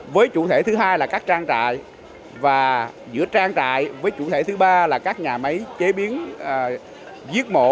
với chủ thể thứ hai là các trang trại và giữa trang trại với chủ thể thứ ba là các nhà máy chế biến giết mổ